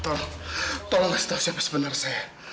tolong tolong kasih tahu siapa sebenarnya saya